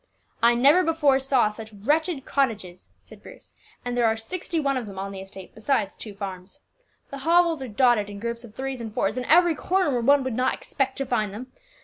"I never before saw such wretched cottages," said Bruce; "and there are sixty one of them on the estate, besides two farms. The hovels are dotted in groups of threes and fours in every corner where one would not expect to find them.